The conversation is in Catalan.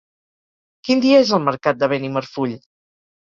Quin dia és el mercat de Benimarfull?